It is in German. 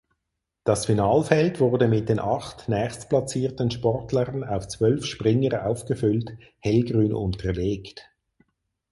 Das Finalfeld wurde mit den acht nächstplatzierten Sportlern auf zwölf Springer aufgefüllt (hellgrün unterlegt).